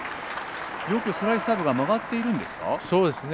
よくスライスサーブが曲がっているんですか？